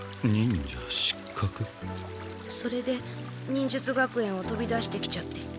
それで忍術学園をとび出してきちゃって。